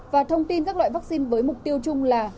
và thông tin các loại vaccine với mục tiêu chung là